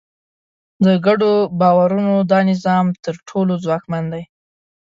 د ګډو باورونو دا نظام تر ټولو ځواکمن دی.